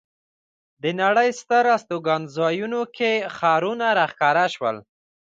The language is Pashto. د نړۍ ستر استوګنځایونو کې ښارونه را ښکاره شول.